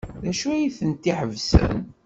D acu ay tent-iḥebsen?